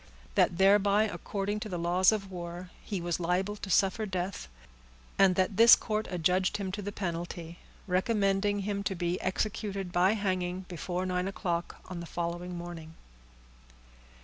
That thereby, according to the laws of war, he was liable to suffer death, and that this court adjudged him to the penalty; recommending him to be executed by hanging, before nine o'clock on the following morning.